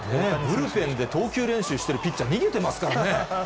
ブルペンで投球練習してるピッチャー、逃げてますからね。